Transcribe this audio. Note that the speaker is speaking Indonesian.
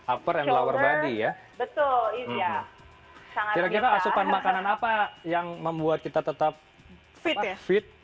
upper and lower body ya betul iya sangat kita asupan makanan apa yang membuat kita tetap fit